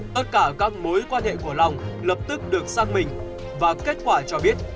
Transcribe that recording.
tất cả các mối quan hệ của lòng lập tức được xác minh và kết quả cho biết